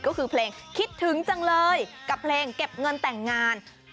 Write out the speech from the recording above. ก็คือเพลงคิดถึงจังเลยกับเพลงเก็บเงินแต่งงาน